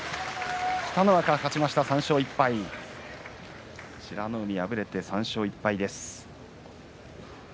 北の若が勝ちました３勝１敗美ノ海、敗れて３勝１敗です。